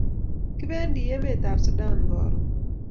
kipendi emet ab sudan karun